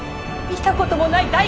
見たこともない